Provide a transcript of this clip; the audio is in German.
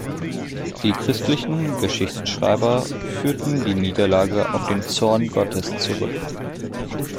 Die christlichen Geschichtsschreiber führten die Niederlage auf den Zorn Gottes zurück.